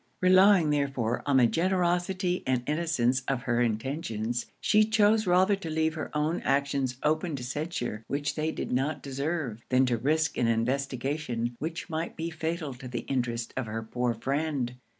Relying therefore on the generosity and innocence of her intentions, she chose rather to leave her own actions open to censure which they did not deserve, than to risk an investigation which might be fatal to the interest of her poor friend.